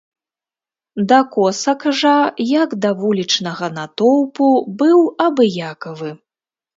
Да косак жа, як да вулічнага натоўпу, быў абыякавы.